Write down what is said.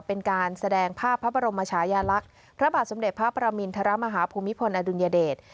เป็นการแสดงภาพพระบรมชายาลักษณ์พระบาทสมเด็จพระประมินทรมาฮาภูมิพลอดุลยเดช